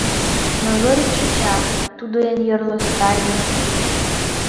Но Зорин шинча, тудо эн йорло татарын эргыже.